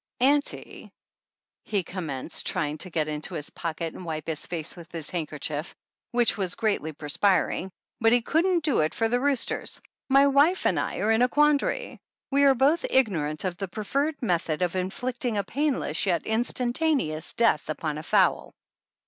"Auntie," he commenced, trying to get into his pocket and wipe his face with his handker chief, which was greatly perspiring, but he couldn't do it for the roosters, "my wife and I are in a quandary. We are both ignorant of the preferred method of inflicting a painless yet instantaneous death upon a fowl."